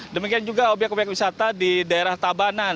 demikian juga objek objek wisata di daerah tabanan